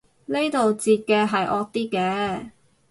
呢度截嘅係惡啲嘅